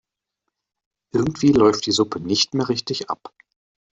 Irgendwie läuft die Suppe nicht mehr richtig ab.